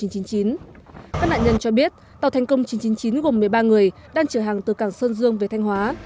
các nạn nhân cho biết tàu thành công chín trăm chín mươi chín gồm một mươi ba người đang chở hàng từ cảng sơn dương về thanh hóa